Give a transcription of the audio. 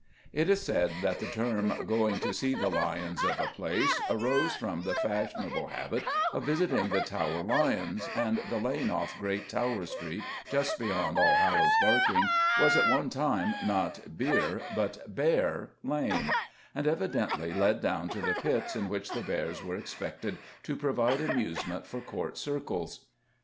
It is said that the term "going to see the lions" of a place arose from the fashionable habit of visiting the Tower lions, and the lane off Great Tower Street, just beyond Allhallows Barking, was at one time not Beer but Bear Lane, and evidently led down to the pits in which the bears were expected to provide amusement for Court circles.